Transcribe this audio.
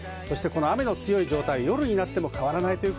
雨の強い状態は、夜になっても変わらない。